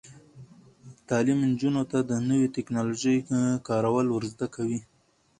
تعلیم نجونو ته د نوي ټیکنالوژۍ کارول ور زده کوي.